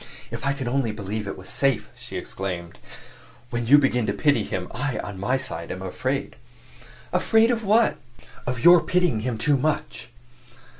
"If I could only believe it was safe!" she exclaimed. "When you begin to pity him, I, on my side, am afraid." "Afraid of what?" "Of your pitying him too much."